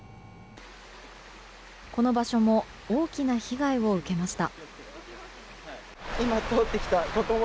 この場所も大きな被害を受けました。